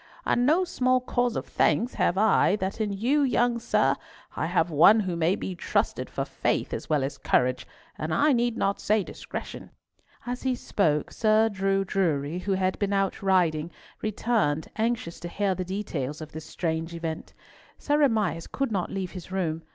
"And no small cause of thanks have I that in you, young sir, I have one who may be trusted for faith as well as courage, and I need not say discretion." As he spoke, Sir Drew Drury, who had been out riding, returned, anxious to hear the details of this strange event. Sir Amias could not leave his room.